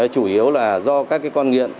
chủ yếu là do các cái con nghiện